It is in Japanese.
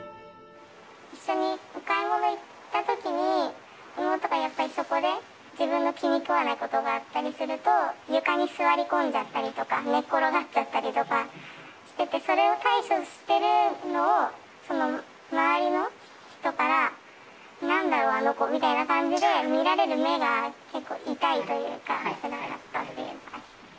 一緒にお買い物行ったときに、妹がやっぱりそこで自分の気に食わないことがあったりすると、床に座り込んじゃったりとか、寝っ転がっちゃったりとかして、それを対処しているのを、周りの人からなんだろう、あの子みたいな感じで見られる目が、結構痛いというか、つらかったので。